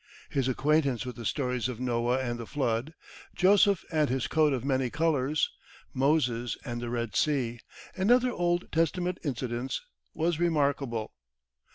His acquaintance with the stories of Noah and the Flood, Joseph and his coat of many colours, Moses and the Red Sea, and other old Testament incidents, was remarkable.